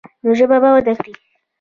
نو ژبه به وده وکړي.